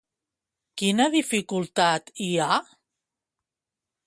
Quina dificultat hi ha?